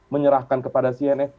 menyerahkan kepada cns